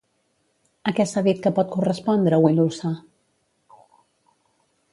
A què s'ha dit que pot correspondre Wilusa?